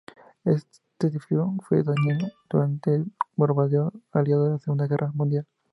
Este edificio fue dañado durante el bombardeo aliado en la Segunda Guerra Mundial.